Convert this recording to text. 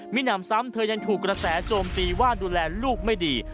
มินะมซัมเธอยังถูกระแสโจมตีรวัตรดูแลลูกไม่ดี